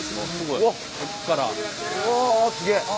うわすげえ。